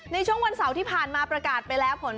ในช่วงวันเสาร์ที่ผ่านมาประกาศไปแล้วผล